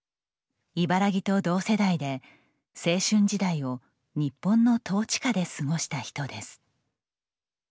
茨木と同世代で青春時代を日本の統治下で過ごした人です。